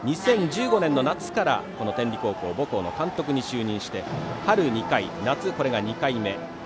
２０１５年の夏から天理高校母校の監督に就任して春２回、夏これが２回目。